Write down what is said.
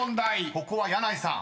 ここは箭内さん］